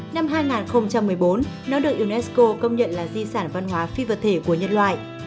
năm hai nghìn một mươi bốn nó được unesco công nhận là di sản văn hóa phi vật thể của nhân loại